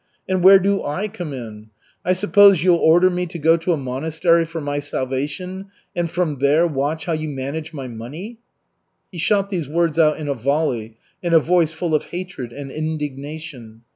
And where do I come in? I suppose you'll order me to go to a monastery for my salvation, and from there watch how you manage my money?" He shot these words out in a volley, in a voice full of hatred and indignation.